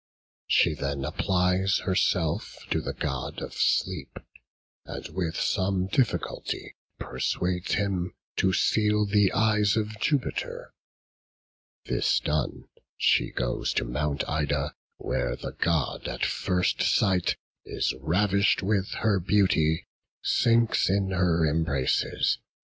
She then applies herself to the god of Sleep, and with some difficulty persuades him to seal the eyes of Jupiter; this done, she goes to Mount Ida, where the god at first sight, is ravished with her beauty, sinks in her embraces, and is laid asleep.